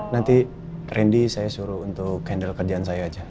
nanti randy saya suruh untuk handle kerjaan saya aja